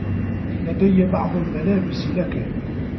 لديّ بعض الملابس لك.